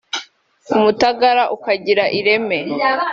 Umutagara ukagira ireme